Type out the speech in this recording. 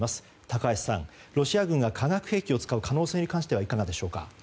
高橋さん、ロシア軍が化学兵器を使う可能性についてはいかがでしょうか？